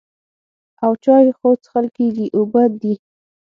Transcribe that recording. او چای خو څښل کېږي اوبه دي.